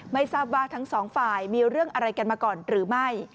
ไม่ทราบว่าทั้งสองฝ่ายมีเรื่องอะไรกันมาก่อนหรือไม่